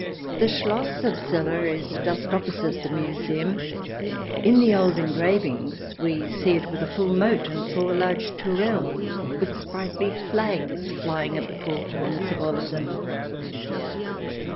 The Schloss of Celle is just opposite the museum. In the old engravings we see idJ THE DESIRABLE ALIEN [ch. xix it with a full moat and four large tourelles, with sprightly flags flying at the four corners of all of them.